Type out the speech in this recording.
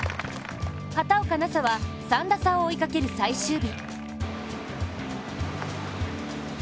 畑岡奈紗は３打差を追いかける最終日。